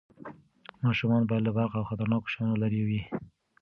ماشومان باید له برق او خطرناکو شیانو لرې وي.